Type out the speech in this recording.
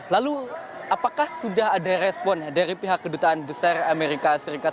lalu apakah sudah ada respon dari pihak kedutaan besar amerika serikat